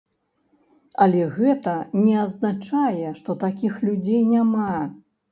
Але гэта не азначае, што такіх людзей няма.